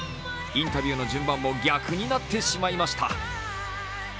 インタビューの順番も逆になってしまいました。